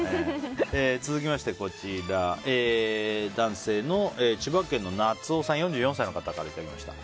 続きまして、男性の千葉県の４４歳の方からいただきました。